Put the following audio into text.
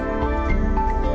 i karena itu mereka mungkin ini ya